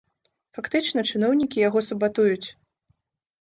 Фактычна, чыноўнікі яго сабатуюць.